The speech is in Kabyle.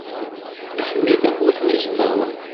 Iḥemmel Tamurt n Yezwawen.